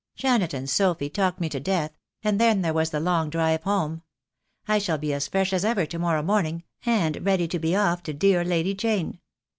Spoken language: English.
Janet and Sophy talked me to death; and then there was the long drive home. I shall be as fresh as ever to morrow morning, and ready to be off to dear Lady Jane."